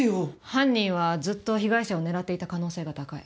犯人はずっと被害者を狙っていた可能性が高い。